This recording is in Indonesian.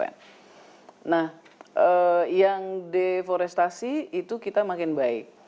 nah yang deforestasi itu kita makin baik